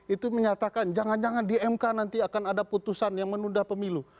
itu menyatakan jangan jangan di mk nanti akan ada putusan yang menunda pemilu